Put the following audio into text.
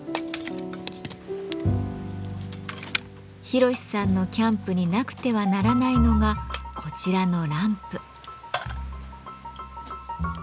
ヒロシさんのキャンプになくてはならないのがこちらのランプ。